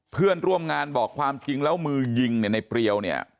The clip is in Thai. เพื่อนร่วมงานบอกความจริงแล้วมือยิงเนี่ยในเปรียวเนี่ย